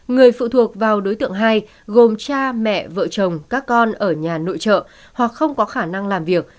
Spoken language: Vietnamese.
người phụ thuộc vào đối tượng hai gồm cha mẹ vợ chồng các con ở nhà nội trợ hoặc không có khả năng làm việc